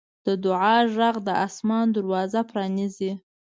د دعا غږ د اسمان دروازه پرانیزي.